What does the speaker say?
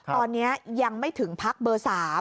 ตอนนี้ยังไม่ถึงพักเบอร์๓